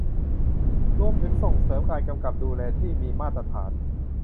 รวมถึงส่งเสริมการกำกับดูแลที่มีมาตรฐาน